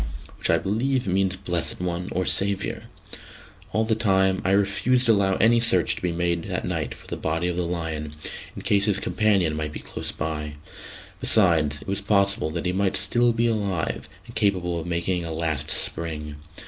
which I believe means "blessed one" or "saviour." All the same, I refused to allow any search to be made that night for the body of the lion, in case his companion might be close by; besides, it was possible that he might be still alive, and capable of making a last spring.